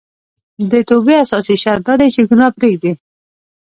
د توبې اساسي شرط دا دی چې ګناه پريږدي